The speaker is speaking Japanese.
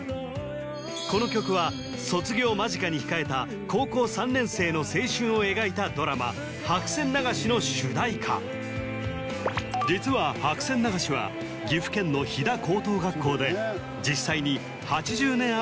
この曲は卒業を間近に控えた高校３年生の青春を描いたドラマ「白線流し」の主題歌実は白線流しはこのあともの数々が！